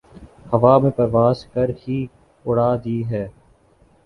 ہوا میں پرواز کر ہی اڑا دی ہیں